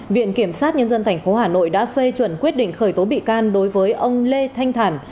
viện kiểm sát nhân dân tp hà nội đã phê chuẩn quyết định khởi tố bị can đối với ông lê thanh thản